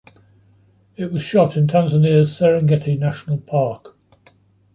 It was shot in Tanzania's Serengeti National Park.